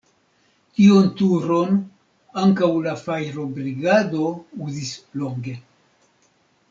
Tiun turon ankaŭ la fajrobrigado uzis longe.